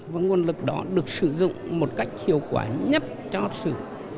và nguồn lực đó được sử dụng một cách hiệu quả nhất cho sự